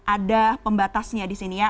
ada pembatasnya di sini ya